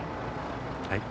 はい。